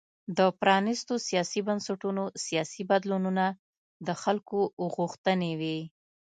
د پرانیستو سیاسي بنسټونو سیاسي بدلونونه د خلکو غوښتنې وې.